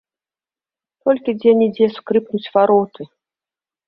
Толькі дзе-нідзе скрыпнуць вароты.